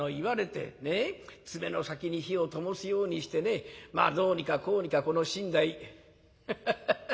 爪の先に火をともすようにしてねまあどうにかこうにかこの身代。ハハハハハ。